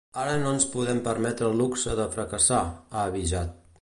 Ara no ens podem permetre el luxe de fracassar, ha avisat.